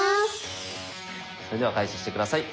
それでは開始して下さい。